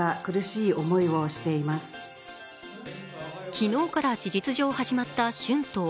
昨日から事実上始まった春闘。